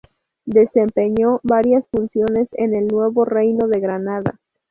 Desempeñó varias funciones en el Nuevo Reino de Granada.